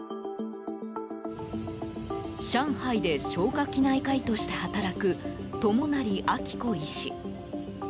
上海で消化器内科医として働く友成暁子医師。